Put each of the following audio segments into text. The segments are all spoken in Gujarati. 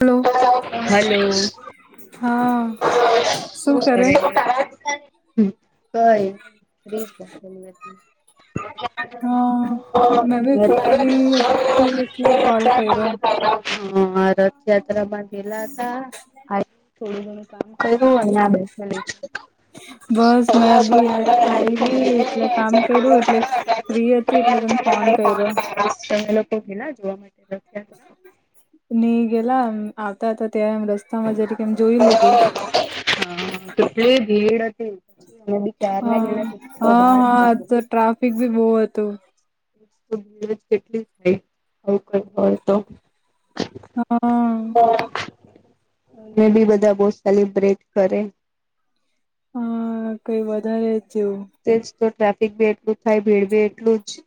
હલો હલો હા શું કરે હ સોરી ફ્રિ જ નાખેલી હતી [inaudible] હા મેં બી ફ્રી હતી એટલે કોલ કર્યો હ રથયાત્રા માં ગેલા હતા આઈ ને થોડું ઘણું કયું અને આ બેઠેલી છું બસ મેં બી આવી એટલે કામ કર્યું એટલે ફ્રી હતી સવા એટલે તને ફોન કર્યો છ તમે લોકો ગેલા જોવા માટે રથયાત્રા નહી ગેલા આવતા આવતા ત્યાં રસ્તા માં જારી કેમ જોઈ લીધું હ કેટલી ભીડ હતી અમે બી કયારના ગેલા કેટલો ભાર આજ તો ટ્રાફિક ની બહુ હતો કેટલી થાય આવું કર હોય તો હા એ બી બધા બહુ સેલિબ્રેટ કરે હ કઈ વધારે જ જેવું તેજ તો ટ્રાફિક ભી એટલું થાય ભીડ ભી એટલું જ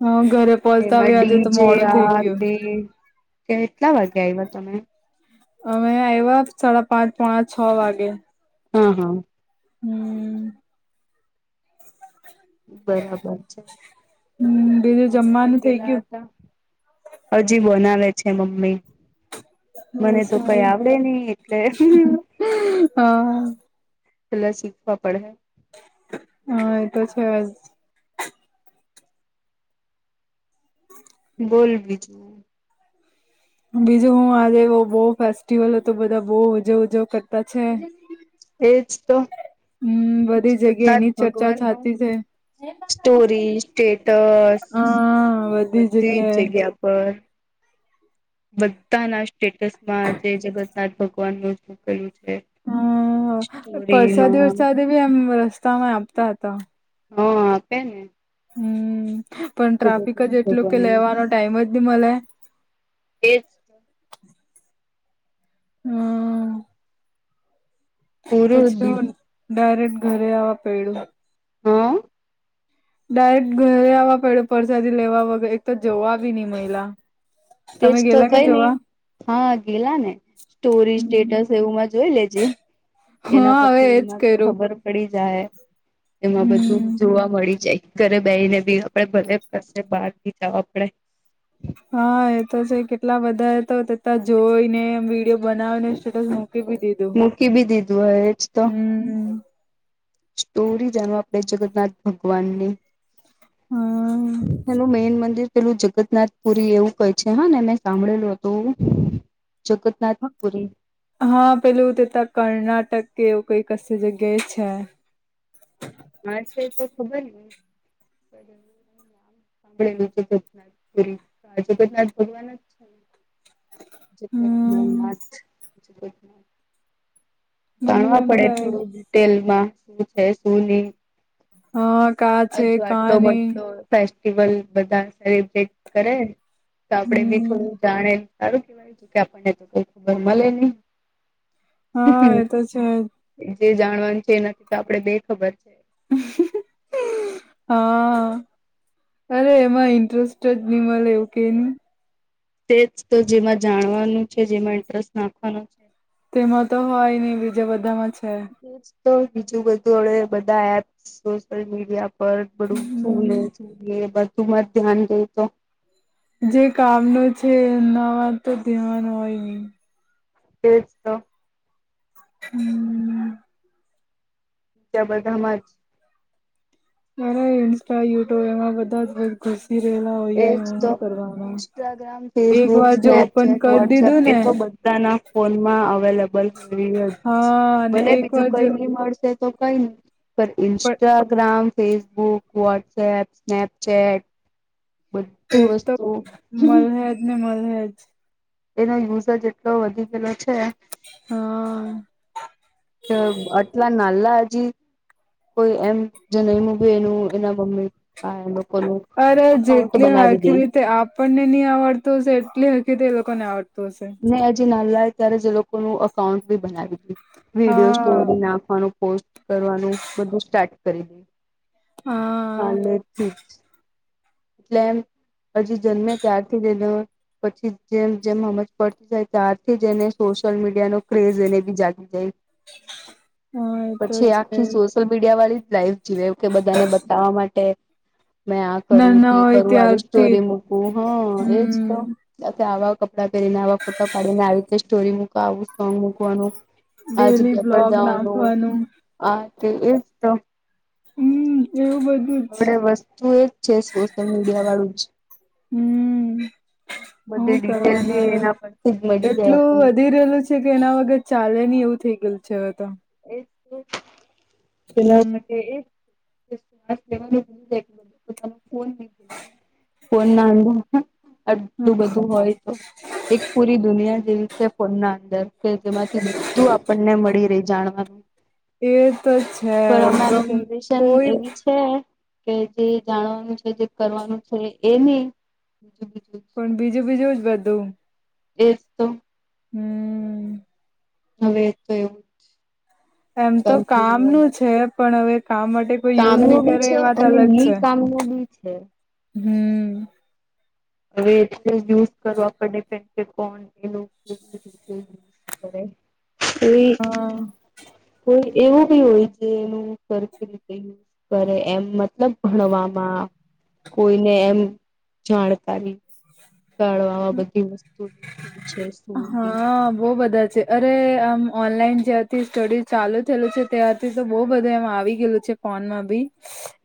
હ ઘરે પહોંચતા એમાં આવ્યા આજે ડી તો જેે મોડું થઈ આ ગયું તે કેટલા વાગે આવ્યા તમે અમે આવ્યા સાડા પાંચ પોણા છ વાગે અ હ હ હ હ બરાબર છે હમ બીજું અમે જમવાનું પણ થઇ ગેલા ગયું હતા. હજી બનાવે છે મમ્મી મને બસ તો કઈ મારી આવડે નહી એટલે હા પેલા શીખવા પડહે હા એતો છે જ. બોલ બીજું. બીજું હું આજે બહુ ફેસ્ટિવલ હતો બધા બહુ ઉજવ ઉજવ કરતા છે. એજ તો હમ બધી જગ્યા જગન્નાથ એની ચર્ચા ભગવાન નું થતી છે સ્ટોરી સ્ટેટસ હા બધી જ જગ્યાએ જગ્યા પર બધા ના સ્ટેટસ માં આજે જગન્નાથ ભગવાન ન કર્યું છે. હમ પરરસાદી પુરીમાં વરસાદી બી એમ રસ્તા માં આપતા હતા. હં આપે ને. હમ પણ ટ્રાફિક જગન્નાથ જ એટલું કે ભગવાનનું લેવાનો ટાઈમ જ હી મળે. એ જ હમ. પૂરું પછી હું ડાયરેક્ટ ઘરે આ પડ્યું. હા. ડાયરેક્ટ ઘરે આવવા પડે પરસાદી લેવા વગર એક તો જવા બી નહી મહિલા તેજ તો કઈ નઈ હા ગેલા ને સ્ટોરી સ્ટેટસ એવુંમાં જોઈ લેજે. એના હા હવે પરથી એજ એમાં તો કર્યું ખબર પડી જાય એમાં બધું હમ. જોવા મળી જાય. ઘરે બેહી ને બી આપડે ભલેસે બહાર ઈ જવા પડે. હા એ તો છે કેટલા બધા એ તો તતા જોઈને એ વિડીયો બનાવીને સ્ટેટસ મોકલી બી દીધ મૂકી બી દીધું હય એજ તો હમ સ્ટોરી જાણવા આપડે જગન્નાથ ભગવાન ની. હા. એનું મેઈન મંદિર પેલું જગન્નાથપુરી એવું કઇક છે હા ને મેં સાંભળેલું હતું જગન્નાથપુરી હા પેલું થતા કર્ણાટક કે એવું કઈ કસ્ જગ્યાએ છે. હા છે તો ખબર ને સાંભળેલું જગનાથ જગન્નાથ ભગવાન જ હમ જગતનાનાથ જગન્નાથ. મને બી જાણવા એમ પડે થાય થોડું ડિટેલ માં શું છે શું નહી. હા કા છે હજુ કા આટો નહી બટટો ફેસ્ટિવલ બધા સેલિબ્રેટ કરે તો આપડે બી હમ થોડું જાણે. સારું કેવાય છે કે આપણને તો કોઈ ખબર મળે નહી હા એ તો જ જે જાણવાનું છે એ નથી તો આપડે બે ખબર છે. હા અરે એમાં ઇન્ટરેસ્ટ જ નહી મળે એવું કે નહી તેજ તો જેમાં જાણવાનું છે જેમાં ઇન્ટરેસ્ટ નાખવાનો છે. તેમાં તો હોય નહ બીજા બધામાં છે. તો બીજું બધું હડ બધા એપ્ સોશયલ મીડિયા બડું હમ છલે બધું મર ધ્યાન દે તો જે કામનો છે એમનાવા તો ધ્યાવાન હોય નહી. તે જ તો હમ. ત્યા બઘા માં જ મારા ઇન્સ્ટા યુટ્યુબ એમાં બધા જ ઘુસી રહેલા એજ હોયય તો નહી કરવાના ઇન્સ્ટાગ્રામ એક ફેસબુક વાર જો ઓપન કરી દીધું ને. બધ ના ફોન માં અવેલેબલ હોય જ હા અને ભલે એક બીજું વાર કઈ જો નહી મળ તે તો કઈ નહીં પણ પણ ઈન્સ્ટાગ્રામ ફેસબુક, વાટ્સએપ, સ્નેપચેટ. એ બધી તો વસ્તુ મલહેજ ને મલહેજ. એનો યુઝ જ એટલો વધી ગયેલો છે. હહ અ અટલા નાલા હજી કોઈ એમ જે નયમું ભી એનું એના મમ્મી પપ્પા એ લોકોનું અરે અકાઉન્ટ જેટલા બનાવી દે હરખી રીતે આપ આપણને ની આવડતું હશે એટલી હરખી રીતે એ લોકોને આવડતું હશે. ને હજી નાલા હોય ત્યારે જ એ લોકોનું અકાઉન્ટ બી બનાવી દે. વિડીયો હા સ્ટોરી નાખવાનું, પોસ્ટ કરવાનું બધું સ્ટાર્ટ કરી દે. હા નાનેથી જ એટલે એમ હજી જન્મે ત્યારથી જ એન પછી જેમ જેમ હમજ પડતી જાય ત્યારથી જ એને સોશિયલ મીડિયાનો ક્રેઝ એને બી જાગી જાય. હા એ તો પછી છે આખી સોશિયલ મીડિયા વાળી જ લાઈફ જીવે એવું કે બધાને બતાવવા માટે મેં આ કરું, નાના તે હોય કરું, આવી ત્યારથી જ સ્ટોરી મૂકું હહ એજ તો હમ બાકી આવા કપડાં પહેરીને, આવા ફોટા પાડીને, આવી રીતે સ્ટોરી મૂક, આવું સોંગ મૂક વાનું આ ડેલી જગ્યા પર બ્લોગ જાવાનું, નાખવાનું આતે એજ તો હમ એવું બધું જ હવે વસ્તુ એજ છે સોશિયલ મીડિયાવાળું જ. હમ બધી હું ડિટેલ જે કરવાનું હવે એના પરથી જ મળી જાય એટલું આપણને. વધી રહેલું કે તેના વગર ચાલે નહી એવું થઈ ગયેલ છે હવે તો એજ ને હમ [inaudible] એ એજ એ શ્વાસ લેવાનું ભૂલી જાય એટલો પોતાનો ફોન ની ભૂલે. ફોનના અંદર અટલું બધું હોય તો એક પૂરી દુનિયા જેવી જ તે ફોનના અંદર કે જેમાંથી બધું આપણને મળી રે જાણવાનું. એ તો છે પર હમણાંની ગમ જનરેશન કોઈ એવી છે. કે જે જાણવાનું છે, જે કરવાનું છે, એની બીજું બીજું પણ બીજું બીજું જ બધું એજ તો હમ હવે એતો એવું જ એમ તો કામનું છે પણ હવે કામ માટે કોઈ યુઝ કામનું નહી બી કરે છે એ વાત અને અલગ ની છે કામનું બી છે. હમ હવે એતો યુઝ કરવા પર ડિપેન્ડ કે કોણ [inaudible] કરે કોઈ અ કોઈ એવું બી હોય જેનું સરખી રીતે કરે એમ મતલબ ભણવામાં કોઈને એમ જાણ કારી હ કળવામાં બધી વસ્તુ ઈ શું છે શું ની. હા બહુ બધાં છે. અરે આમ ઓનલાઈન જ્યારથી સ્ટડી ચાલુ થયેલું છે ત્યારથી તો બહુ બધું એમ આવી ગયેલું છે ફોનમાં બી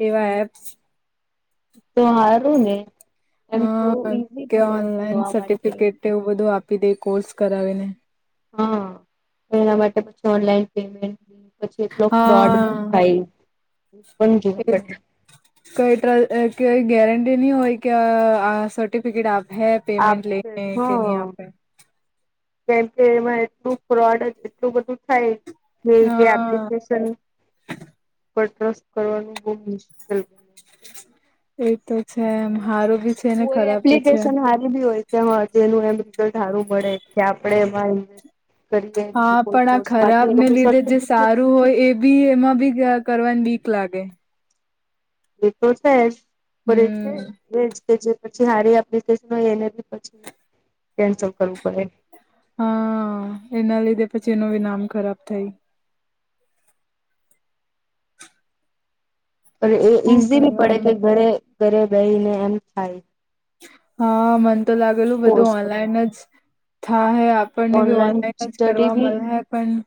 એવા એપ્સ તો હારું ને. એમ થોડું હહ ઈઝી કે પડે ઓનલાઈન ભણવા માટે સર્ટિફિકેટને એવું બધું આપી દે કોર્સ કરાવીને. હહ એના માટે પછી ઓનલાઈન પેમેન્ટ પછી એટલો ફ્રોડ હા થાય એ પણ જોવા પે કોઈ ટ્ર કોઈ ગારંટી નહીં હોય કે સર્ટીફિકેટ આપે હૈ. પેમેન્ટ આપે લઈને કે હા ની આપે. કેમ કે એમાં એટલું ફ્રોડ જ એટલું બધું થાય. તો એવી હા એપ્લિકેશન પર ટ્રસ્ટ કરવાનું બહુ મુશ્કેલ થાય. એતો છે એમ હારું ભી છે ને કોઈ ખરાબ ભી છે. એપ્લિકેશન હારી બી હોય કેજ એનું એમ રલ્ટ સારું મળે કે આપડે એમાં કરીએ હા કોઈ પણ આ ખરાબ કોર્સમાંથી એ ને લોકો લીધે જે સર્ટિફિકેટ સારું હોય એ બી એમાં બી કરવાની બીક લાગે. એ તો છે શું કરે છે. હમ જ કે જે પછી હારી એપ્લેશન હોય એને બી પછી કેન્સલ કરવું પડે. હા એના લીધે પછી એનું બિ નામ ખરાબ થાય. એ હું ઈઝી બી પડે કરવાનું કે ઘરે ઘરે બેહીને એમ થાય. હા મન તો લાગેલું બધું કોર્સ ઓનલાઈન બધા જ થા હૈ આપણને બી ઓનલાઈન જ સ્ટડી કરવા બી મળે હ પણ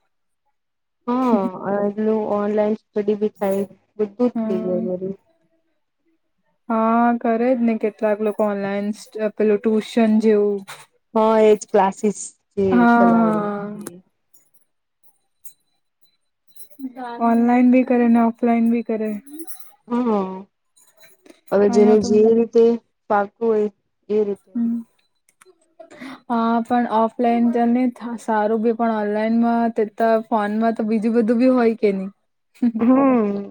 હા એટલું ઓનલાઈન સ્ટડી બી થાય બધું જ થઈ હમ જાય મારું. હા કરે જ ને કેટલાક લોકો ઓનલાઈન પેલું ટુશન જેવું. હા એજ ક્લાસીસ થી હા ચલાવે. હા ઓનલાઈન ભી કરે ને ઓફલાઈન ભી કરે. હા હવે જેને અહીયા તો જે રીતે પાક હોય એ રીતે. હમ. હા પણ ઓફલાઈન ત નહી સારું બી પણ ઓનલાઈનમાં તે તો. ફોન માં તો બીજું બધું બી હોય કે નહી. હમ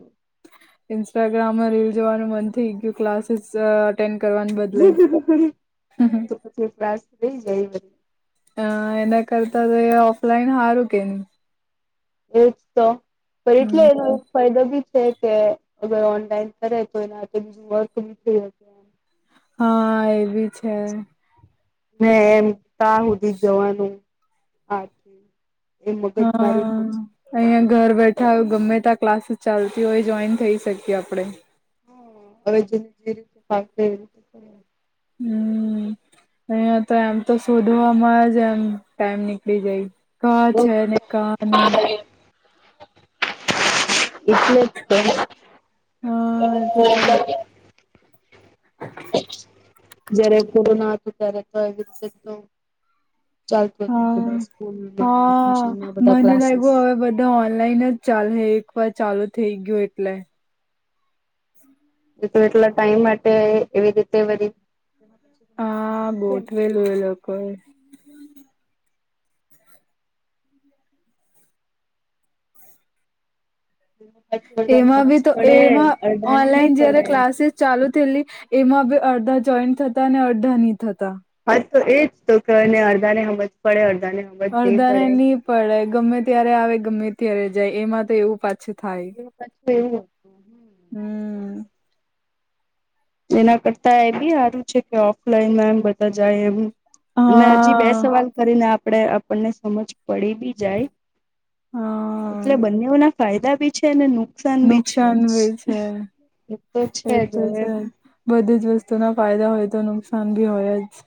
ઇન્સ્ટાગ્રામમાં રીલ જોવાનું મન થઈ ગયું ક્લાસીસ ટેન કરવા બ તો પછી ક્લાસ લઈ જાય એ. અ એના કરતા તો એ ઓફલાઈન હારું કે. એજ તો પણ એટલે એ. હમ ફાયદો બી છે કે અગર ઓનલાઈન કરે તો એનાક બ થ હમ. હા એ બી છે. ને એમ ત્યાં સુધી જ જવાનું આથી. એ મગજ હા મારી ઓછી અંયા ઘર બેઠ ઠા ગમે તા ક્લાસીસ ચાલતી હોય જોઈન થઈ શકીએ આપડે. હ હવે જેને જે રીતે પાક એવી રીતે. હમ. અહી તો એમ તો શોધવાવામાં જ એમ ટાઈમ નીકળી જાય. કા છે ને કાની. એટલે જ હા એટલે તો. જયારે કોરોના હતો ત્યારે તો આવી રીતે તો. ચાલતું હતું હા સ્કૂલમાં હા ટ્યુશનમાં બધા મને ક્લાસીસ. લાગ્યું હવે ઓનલાઈન જ ચાલે હ એક વાર ચાલુ થઇ ગયું એટલે. એટલા ટાઈમ માટે એવી રીતે વરી. એમાં પછી. હા બોટ વેલું એે લોકો એ. અડધાને એમાં બી હમજ તો પડે એમાં અડધાને નહી ઓનલાઈન જયારે પડે ક્લાસીસ ચાલુ થયેલી એમાં બી અડધા જોઈન્ટ થતા અને અડધા ની થતા. હાજ તો એજ તો કેને અડધા ને સમજ પડે અડધા ને અડધા ને નહ પડે ગમે ત્યારે આવે ગમે ત્યારે જાય એમાં તો એવું પાછું થાય. તે પછું એવું હો. તો હમ્મ. હમ્મ. જેના કરતા એ બી સારું છે કે ઓફલાઈનમાં એમ બધા જાય એમ. હજી બે હા સવાલ કરીને આપણેે આપણને સમજ પડી બી જાય. એટલે હા બંનેઓના ફાયદા બી છે નુકસાન ભી છે નુકસાન જ બી છે એક તો એ છે તો હવે. છે જ બધી જ વસ્તુ ના ફાયદા હોય તો નુકસાન ભી હોય જ.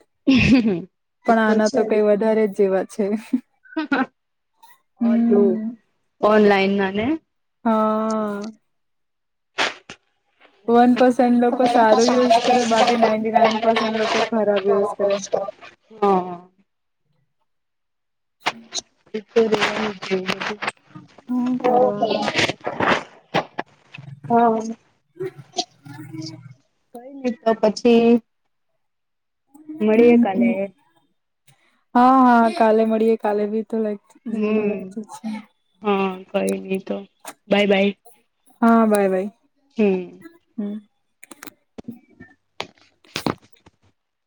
પણ આના તો કઈ વધારે જ જેવા છે. ઓ હમ ઓનલાઈન ના ને? હા. વન પર્સેન્ટ લોકો સારો યુઝ કરે બાકી નાઈન્ટી નાઈન પર્સેન્ટ લોકો ખરાબ યુઝ કરે [inaudible] હા. હું કરવાના [inaudible] હા [inaudible] કઈ નહીં તો પછી મળીએ કાલે. હમ હા હા કાલે મળીએે કાલે ભી તો લાઈક ઝીરો હમ લાઈક તો છે. હા કઈ નહી તો બાય બાય. હા બાય બાય. હમ્મ. હમ્મ. [inaudible]